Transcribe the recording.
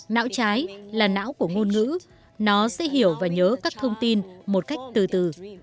não trái là não của ngôn ngữ nó sẽ hiểu và nhớ các thông tin một cách từ từ